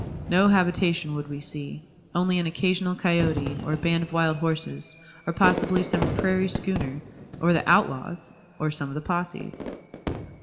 No habitation would we see; only an occasional coyôte, or a band of wild horses, or possibly some prairie schooner, or the outlaws, or some of the possès.